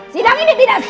sidang ini tidak sah